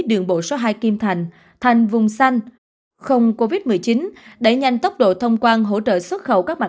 đường bộ số hai kim thành thành vùng xanh không covid một mươi chín đẩy nhanh tốc độ thông quan hỗ trợ xuất khẩu các mặt